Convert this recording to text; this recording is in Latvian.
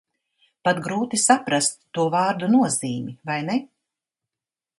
Pat grūti saprast to vārdu nozīmi, vai ne?